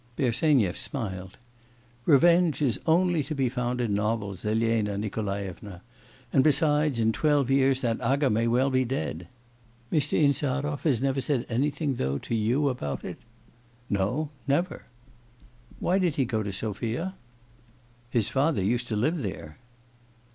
Bersenyev smiled 'Revenge is only to be found in novels, Elena Nikolaevna; and, besides, in twelve years that aga may well be dead.' 'Mr. Insarov has never said anything, though, to you about it?' 'No, never.' 'Why did he go to Sophia?' 'His father used to live there.